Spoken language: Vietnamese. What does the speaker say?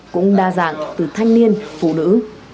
cũng đa dạng từ thanh niên phụ nữ